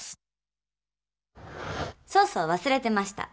そうそう忘れてました。